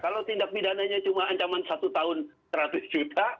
kalau tindak pidananya cuma ancaman satu tahun seratus juta